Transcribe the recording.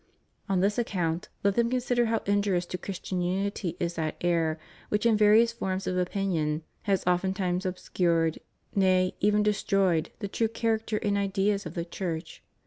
On this account let them consider how injurious to Christian unity is that error, which in various forms of opinion has ofttimes obscured, nay, even destroyed the true character and idea of the Church.